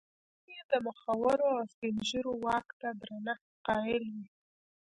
ځیني یې د مخورو او سپین ږیرو واک ته درنښت قایل وي.